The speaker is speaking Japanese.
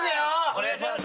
お願いします！